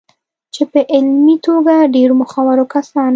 چې په علمي توګه ډېرو مخورو کسانو